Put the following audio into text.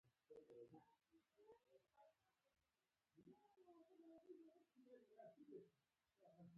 کوچنی کوچنی ګېلې چې تکرار شي ،اخير په حقيقت بدلي شي